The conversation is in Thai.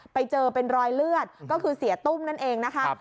ไปเจอเป็นรอยเลือดก็คือเสียตุ้มนั่นเองนะคะ